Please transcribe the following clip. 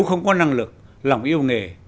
nếu không có năng lực lòng yêu nghề